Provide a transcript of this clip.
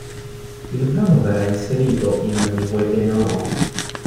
Il brano verrà inserito in "Mi vuoi bene o no?